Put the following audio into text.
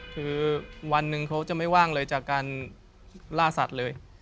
คือวันหนึ่งเขาจะไม่ว่างเลยจากการล่าสัตว์เลย